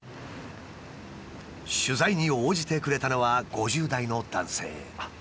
取材に応じてくれたのは５０代の男性。